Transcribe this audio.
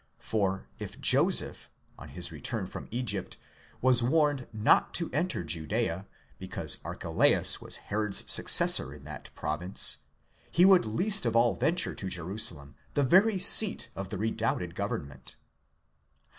For if Joseph, on his return from Egypt, was warned not to enter Judea, because Archelaus was Herod's successor in that province, he would least of all 'venture to Jerusalem, the very seat of the redoubted government.